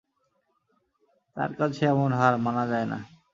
তাঁর কাছে এমন হার, মানা যায় না।